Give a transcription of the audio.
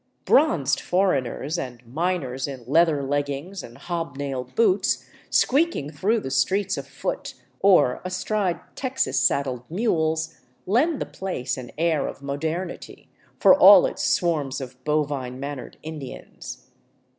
Bronzed foreigners and miners in leather leggings and hob nailed boots, squeaking through the streets afoot, or astride Texas saddled mules, lend the place an air of modernity, for all its swarms of bovine mannered Indians.